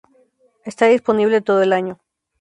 Está disponible todo el año.